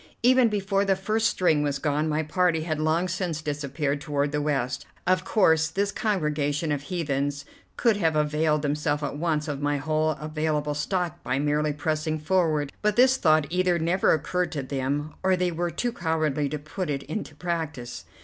Even before the first string was gone, my party had long since disappeared toward the west. Of course this congregation of heathens could have availed themselves at once of my whole available stock by merely pressing forward, but this thought either never occurred to them, or they were too cowardly to put it into practice.